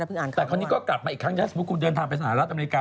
แต่คราวนี้ก็กลับมาอีกครั้งถ้าสมมุติคุณเดินทางไปสหรัฐอเมริกา